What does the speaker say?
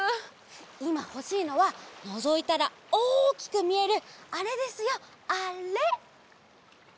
いまほしいのはのぞいたらおおきくみえるあれですよあれ！